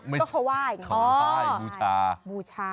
ก็เขาว่ายอย่างนี้อ๋อเขาว่ายบูชาบูชา